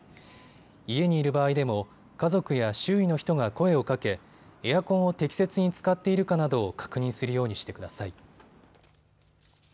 家にいる場合でも家族や周囲の人が声をかけエアコンを適切に使っているかなどを確認するようにしてください。